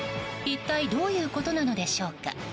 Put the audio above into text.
一体どういうことなのでしょうか？